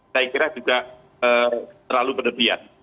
saya kira juga terlalu berlebihan